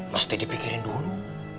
mesti dipikirin dulu